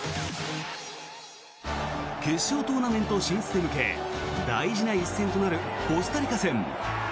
決勝トーナメント進出に向け大事な一戦となるコスタリカ戦。